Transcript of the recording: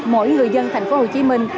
mỗi người dân thành phố hồ chí minh